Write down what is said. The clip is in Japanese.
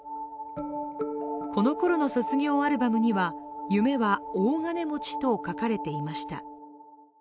このころの卒業アルバムには夢は大金持ちと書かれていました。